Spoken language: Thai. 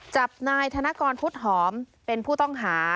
จับนายธนกรพุทธหอมเป็นผู้ต้องหา